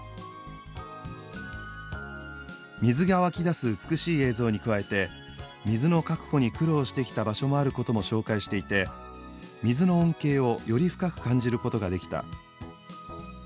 「水が湧き出す美しい映像に加えて水の確保に苦労してきた場所もあることも紹介していて水の恩恵をより深く感じることができた」。